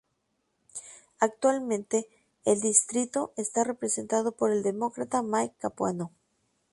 Actualmente el distrito está representado por el Demócrata Mike Capuano.